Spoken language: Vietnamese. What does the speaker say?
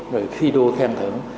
rồi khi đua thêm thưởng